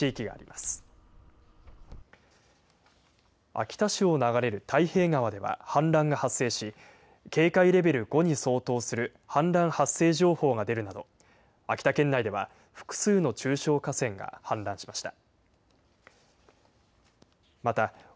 秋田市を流れる太平川では氾濫が発生し警戒レベル５に相当する氾濫発生情報が出るなど秋田県内では複数の中小河川が氾濫しました。